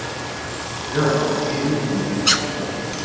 Jack i d isem-iw.